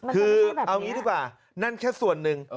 คือเอาอย่างนี้ดูป่ะนั่นแค่ส่วนหนึ่ง